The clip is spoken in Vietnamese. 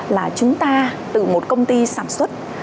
là chúng ta từ một công ty sản xuất